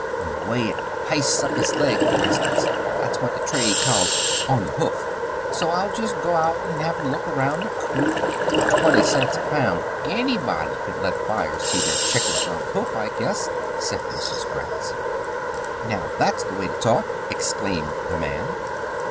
In the way it h'ists up its leg, for instance. That's what the trade calls 'on the hoof.' So I'll just go out and have a look around the coop " "For twenty cents a pound anybody could let buyers see their chickens on the hoof, I guess," said Mrs. Gratz. "Now, that's the way to talk!" exclaimed the man.